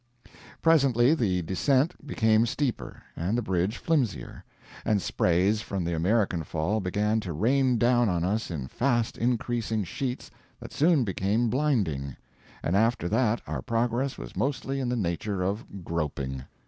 Presently the descent became steeper and the bridge flimsier, and sprays from the American Fall began to rain down on us in fast increasing sheets that soon became blinding, and after that our progress was mostly in the nature of groping.